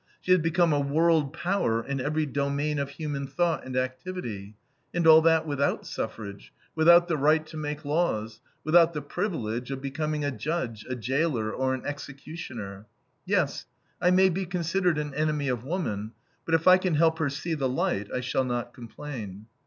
She has become a world power in every domain of human thought and activity. And all that without suffrage, without the right to make laws, without the "privilege" of becoming a judge, a jailer, or an executioner. Yes, I may be considered an enemy of woman; but if I can help her see the light, I shall not complain.